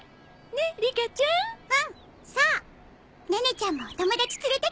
ネネちゃんもお友達連れてきてね。